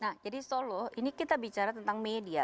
nah jadi solo ini kita bicara tentang media